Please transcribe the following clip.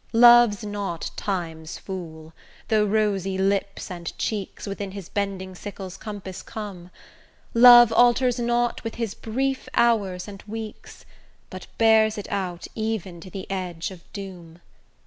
Love's not Time's fool, though rosy lips and cheeks Within his bending sickle's compass come; Love alters not with his brief hours and weeks, But bears it out even to the edge of doom.